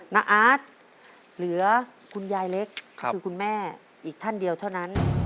อาร์ตเหลือคุณยายเล็กคือคุณแม่อีกท่านเดียวเท่านั้น